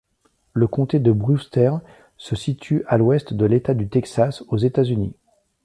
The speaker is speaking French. Le comté de Brewster se situe à l'ouest de l'État du Texas, aux États-Unis.